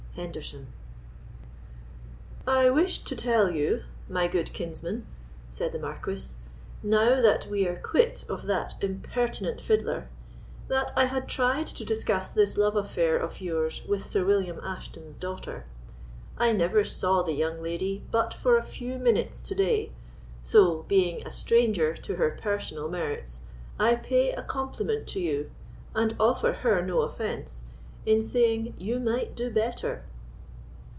HENDERSOUN. "I wished to tell you, my good kinsman," said the Marquis, "now that we are quit of that impertinent fiddler, that I had tried to discuss this love affair of yours with Sir William Ashton's daughter. I never saw the young lady but for a few minutes to day; so, being a stranger to her personal merits, I pay a compliment to you, and offer her no offence, in saying you might do better."